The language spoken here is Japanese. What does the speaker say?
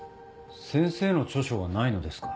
先生の著書はないのですか？